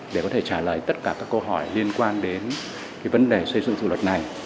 để có thể trả lời tất cả các câu hỏi liên quan đến vấn đề xây dựng dự luật này